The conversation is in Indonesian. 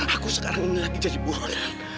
aku sekarang ini lagi jadi burun